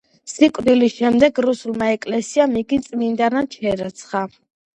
სიკვდილის შემდეგ რუსულმა ეკლესიამ იგი წმინდანად შერაცხა.